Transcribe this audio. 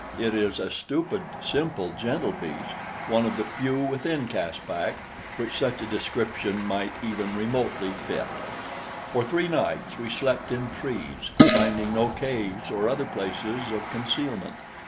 It is a stupid, simple, gentle beast one of the few within Caspak which such a description might even remotely fit. For three nights we slept in trees, finding no caves or other places of concealment.